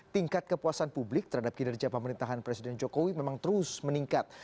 tingkat kepuasan publik terhadap kinerja pemerintahan presiden jokowi memang terus meningkat